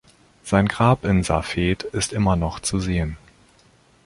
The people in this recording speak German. Sein Grab in Safed ist immer noch zu sehen.